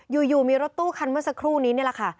อยู่มีรถตู้คันเมื่อสักครู่นี้นี่แหละค่ะ